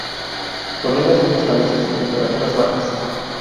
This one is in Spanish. Tolera suelos calizos y temperaturas bajas.